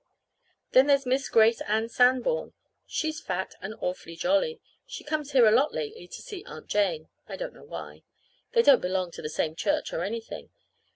Then there's Miss Grace Ann Sanborn. She's fat, and awfully jolly. She comes here a lot lately to see Aunt Jane. I don't know why. They don't belong to the same church, or anything.